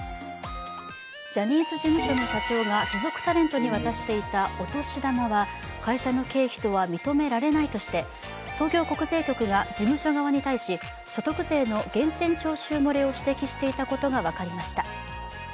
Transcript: ジャニーズ事務所の社長が所属タレントに渡していたお年玉は会社の経費とは認められないとして東京国税局が事務所側に対し所得税の源泉徴収漏れを指摘していたことが分かりました。